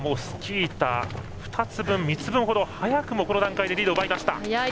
スキー板、２つ分、３つほど早くもこの段階でリードを奪いました。